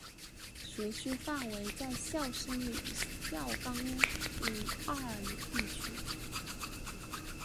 学区范围为孝深里与孝冈里二里地区。